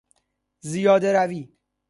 زیاده روی